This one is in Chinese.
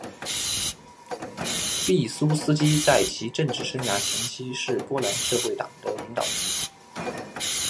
毕苏斯基在其政治生涯前期是波兰社会党的领导人。